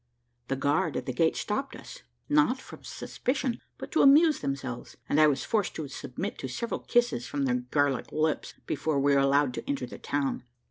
The guard at the gate stopped us, not from suspicion, but to amuse themselves, and I was forced to submit to several kisses from their garlic lips before we were allowed to enter the town.